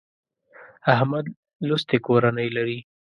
احمد لوستې کورنۍ لري.